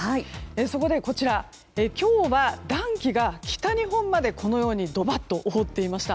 そこでこちら今日は暖気が北日本までドバッと覆っていました。